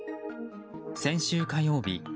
先週火曜日